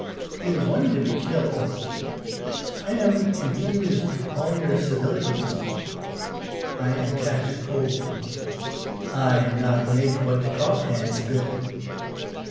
He was wanting to be killed. I am confused all yours civilities. I am catched cold. I not make what to coughand spit.